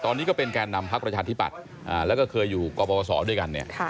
ตอนนี้ก็เป็นแก่นำพักประชาธิปัตย์แล้วก็เคยอยู่กปศด้วยกันเนี่ย